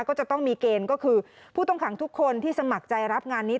ก็จะต้องมีเกณฑ์ก็คือผู้ต้องขังทุกคนที่สมัครใจรับงานนี้